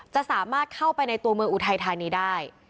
จะสามารถเข้าไปในตัวเมืองอุทัยธานีได้